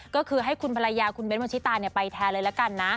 ก็คือให้คุณภรรยาคุณเบ้นวัชิตาไปแทนเลยละกันนะ